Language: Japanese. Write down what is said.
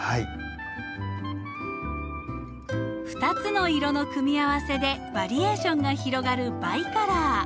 ２つの色の組み合わせでバリエーションが広がるバイカラー。